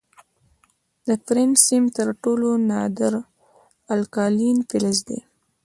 د فرنسیم تر ټولو نادر الکالین فلز دی.